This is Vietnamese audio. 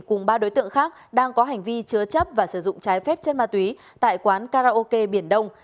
cùng ba đối tượng khác đang có hành vi chứa chấp và sử dụng trái phép chất ma túy tại quán karaoke biển đông